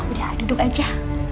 udah a'a duduk aja